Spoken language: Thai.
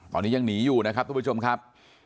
ตอนนี้ยังหนีอยู่นะครับทุกผู้ชมครับ